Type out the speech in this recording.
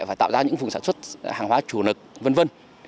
và tạo ra những phùng sản xuất hàng hóa chủ lực v v